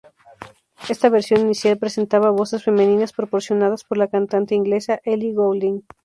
Esta versión inicial presentaba voces femeninas proporcionadas por la cantante inglesa Ellie Goulding.